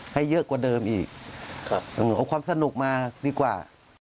ให้เยอะกว่าเดิมอีกเอาความสนุกมาดีกว่า